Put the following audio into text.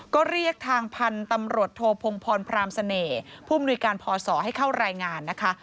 ก็เรียกทางพันธุ์ตำรวจโทพงพรพรามเสน่ห์ผู้มนุยการพศให้เข้ารายงานนะคะ